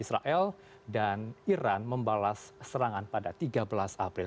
israel dan iran membalas serangan pada tiga belas april